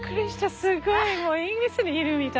すごい！